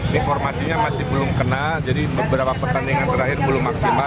informasinya masih belum kena jadi beberapa pertandingan terakhir belum maksimal